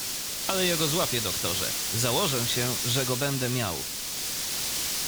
"Ale ja go złapię, doktorze; założę się, że go będę miał."